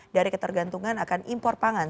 dari ketergantungan akan impor pangan